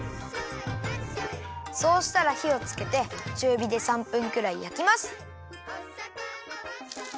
そうしたらひをつけてちゅうびで３分くらいやきます。